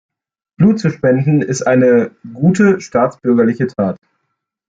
Blut zu spenden ist eine gute staatsbürgerliche Tat.